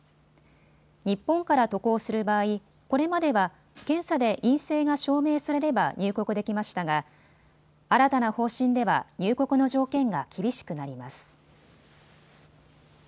日本から渡航する場合、これまでは検査で陰性が証明されれば入国できましたが新たな方針では入国の条件が厳しくなります。